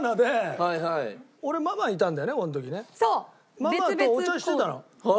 ママとお茶してたの。